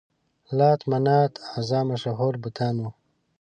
لات، منات، عزا مشهور بتان وو.